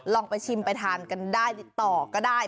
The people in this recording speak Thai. ลองไปชิมไปทานกันได้ติดต่อก็ได้